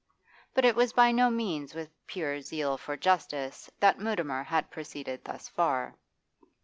But it was by no means with pure zeal for justice that Mutimer had proceeded thus far.